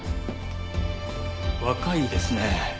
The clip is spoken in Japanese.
若いですね。